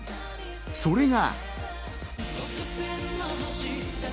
それが。